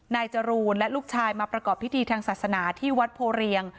จรูนและลูกชายมาประกอบพิธีทางศาสนาที่วัดโพเรียง